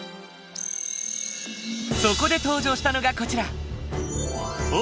そこで登場したのがこちら